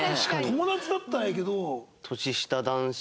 友達だったらいいけど。